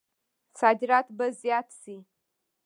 صادرات به زیات شي؟